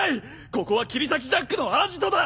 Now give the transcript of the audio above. ここは切り裂きジャックのアジトだ！